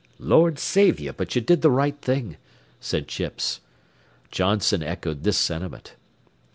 "Lord save ye, but ye did the right thing," said Chips. Johnson echoed this sentiment.